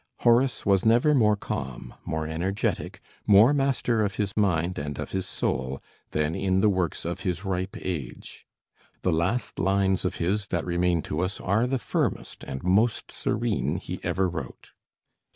Horace was never more calm, more energetic, more master of his mind and of his soul, than in the works of his ripe age. The last lines of his that remain to us are the firmest and most serene he ever wrote.